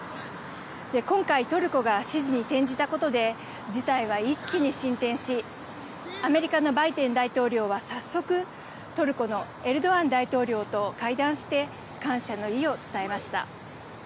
今回、トルコが支持に転じたことで、事態は一気に進展し、アメリカのバイデン大統領は早速、トルコのエルドアン大統領と会談して、感謝の意を伝えました。